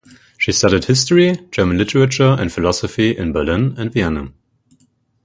She studied history, German literature and philosophy in Berlin and Vienna.